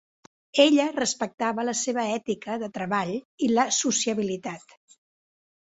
Ella respectava la seva ètica de treball i la sociabilitat.